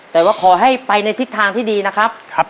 แต่ว่าขอให้ไปในทิศทางที่ดีนะครับ